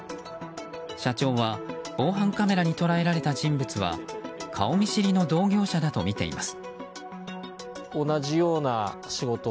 社長は防犯カメラに捉えられた人物は顔見知りの同業者だとみています。